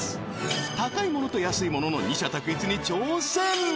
高いものと安いものの二者択一に挑戦